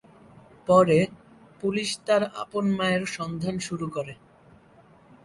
পরে, পুলিশ তার আপন মায়ের সন্ধান শুরু করে।